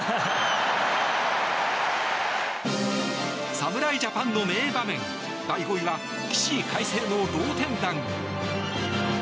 侍ジャパンの名場面、第５位は起死回生の同点弾。